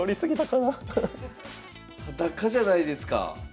裸じゃないですか。